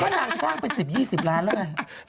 ถ้าหายไปก็นางสร้างเป็น๑๐๒๐ล้านเลย